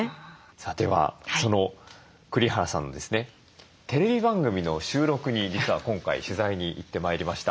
さあではその栗原さんのですねテレビ番組の収録に実は今回取材に行ってまいりました。